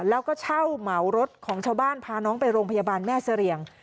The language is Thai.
แล้วก็เช่าเหมารถของชาวบ้านพาน้องไปโรงพยาบาลแม่เสรียง